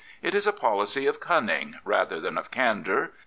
It Js a policy ol cunning rather than of can dour.